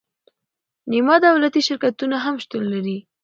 نیمه دولتي شرکتونه هم شتون لري.